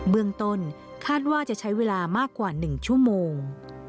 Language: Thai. เบื้องต้นคาดว่าจะใช้เวลามากกว่า๑ชั่วโมง